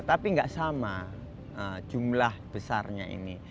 tapi nggak sama jumlah besarnya ini